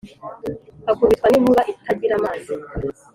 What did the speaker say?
akubitwa ninkuba itagira amazi